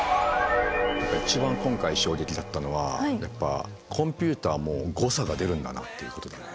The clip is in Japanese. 一番今回衝撃だったのはやっぱコンピュータも誤差が出るんだなっていうことだね。